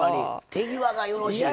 手際がよろしいがな。